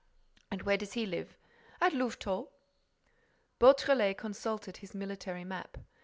"And where does he live?" "At Louvetot." Beautrelet consulted his military map.